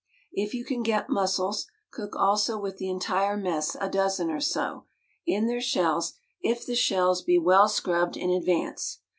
If you can get mus sels, cook also with the entire mess, a dozen or so, — in their shells if the shells be well scrubbed in advance.